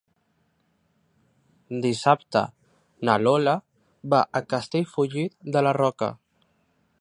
Dissabte na Lola va a Castellfollit de la Roca.